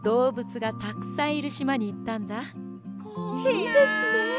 いいですね。